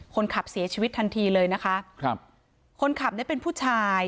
คนขับเสียชีวิตทันทีเลยนะคะครับคนขับเนี่ยเป็นผู้ชาย